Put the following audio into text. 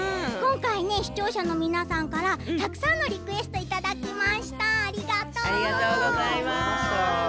今回、視聴者の皆さんからたくさんのリクエストいただきました、ありがとう。